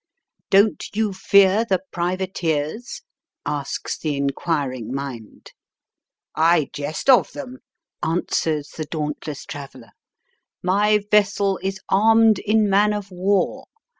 " Don't you fear the privateers ?" asks the inquiring mind. " I jest of them," answers the dauntless traveller. " My vessel is armed in man of war.